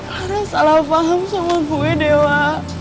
ada salah paham sama gue dewa